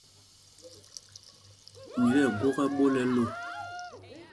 Mi tí ɛgwok ɛ́ɓól ɛ lō.